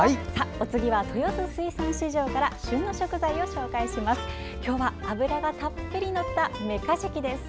お次は、豊洲水産市場から旬の食材を紹介します。